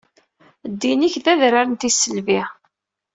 Ddin-ik d adrar n tisselbi.